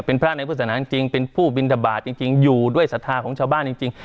เป็นพระในพุทธศนาจริงเป็นผู้บินทบาทจริงอยู่ด้วยศรัทธาของชาวบ้านจริง